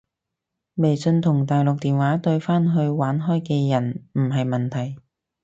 微信同大陸電話對返去玩開嘅人唔係問題